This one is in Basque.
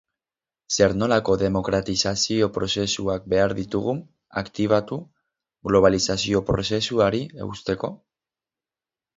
Zer nolako demokratizazio prozesuak behar ditugu aktibatu globalizazio prozesuari eusteko?